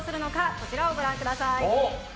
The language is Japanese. こちらをご覧ください。